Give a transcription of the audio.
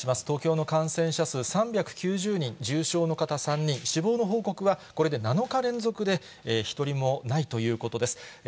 東京の感染者数３９０人、重症の方３人、死亡の報告はこれで７日連続で一人もないということです。